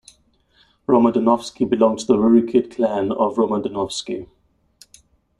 Romodanovsky belonged to the Rurikid clan of Romodanovsky.